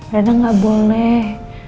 reina gak boleh